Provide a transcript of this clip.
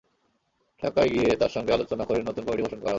ঢাকায় গিয়ে তাঁর সঙ্গে আলোচনা করে নতুন কমিটি ঘোষণা করা হবে।